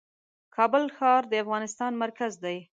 کابل ښار د افغانستان مرکز دی .